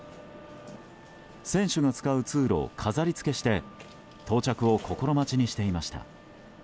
選手が使う通路を飾りつけして到着を心待ちにしていました。